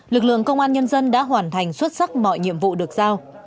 lực lượng công an nhân dân đã hoàn thành xuất sắc mọi nhiệm vụ được giao